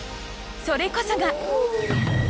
それこそが。